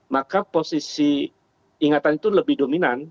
maka posisi ingatan itu lebih dominan